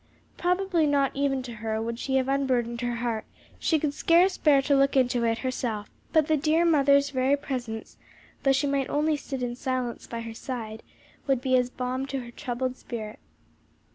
Probably not even to her would she have unburdened her heart, she could scarce bear to look into it herself, but the dear mother's very presence, though she might only sit in silence by her side, would be as balm to her troubled spirit.